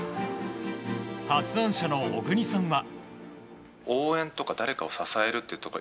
発案者の小国さんは。